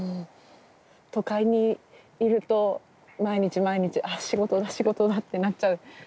都会にいると毎日毎日仕事だ仕事だってなっちゃうけど。